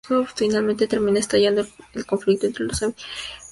Finalmente termina estallando el conflicto entre los habitantes de la mansión.